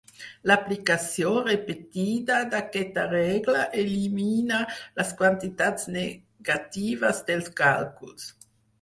L'aplicació repetida d'aquesta regla elimina les quantitats negatives dels càlculs.